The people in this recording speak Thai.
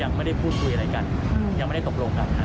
ยังไม่ได้พูดคุยอะไรกันยังไม่ได้ตกลงกัน